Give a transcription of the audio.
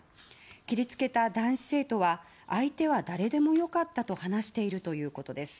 切り付けた男子生徒は相手は誰でもよかったと話しているということです。